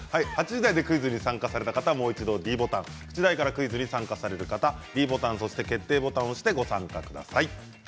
８時台でクイズに参加した方はもう一度、ｄボタン９時台からご覧になった方はｄボタン、そして決定ボタンを押してご参加ください。